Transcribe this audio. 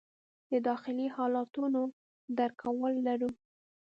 د داخلي حالتونو درک کول لرو.